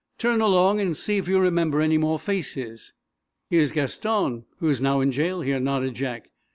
"Turn along, and see if you remember any more faces." "Here's Gaston, who is now in jail here," nodded Jack.